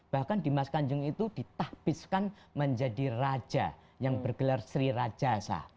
bahkan dimas kanjeng itu ditahbiskan menjadi raja yang bergelar sri rajasa